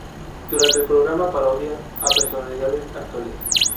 Durante el programa parodia a personalidades actuales.